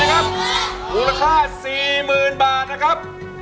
มูลค่า๔๐๐๐บาทนะครับ